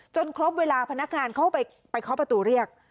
ครบเวลาพนักงานเข้าไปเคาะประตูเรียก